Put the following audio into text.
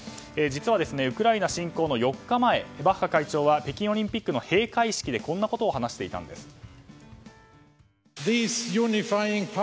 実はウクライナ侵攻の４日前バッハ会長は北京オリンピックの閉会式でこんなことを話していたんです。